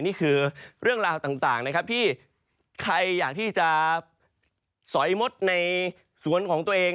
นี่คือเรื่องราวต่างนะครับที่ใครอยากที่จะสอยมดในสวนของตัวเอง